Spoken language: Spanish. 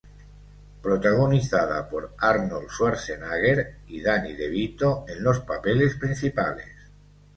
Protagonizada por Arnold Schwarzenegger y Danny DeVito en los papeles principales.